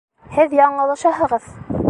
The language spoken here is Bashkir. Һеҙ яңылышаһығыҙ!